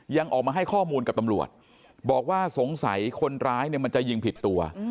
ยังออกมาให้ข้อมูลกับตำรวจบอกว่าสงสัยคนร้ายเนี่ยมันจะยิงผิดตัว